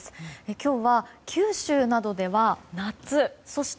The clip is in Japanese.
今日は九州などでは夏そして